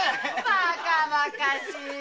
バカバカしい。